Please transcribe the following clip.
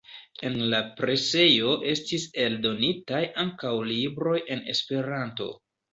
En la presejo estis eldonitaj ankaŭ libroj en Esperanto.